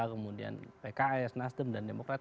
kemudian pks nasdem dan demokrat